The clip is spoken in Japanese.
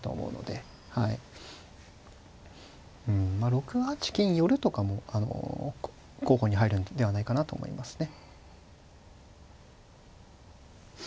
６八金寄とかもあの候補に入るんではないかなと思いますね。